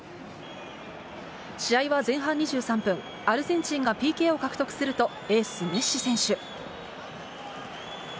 試合は前半２３分、アルゼンチンがＰＫを獲得すると、エース、メッシ選手。